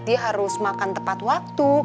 dia harus makan tepat waktu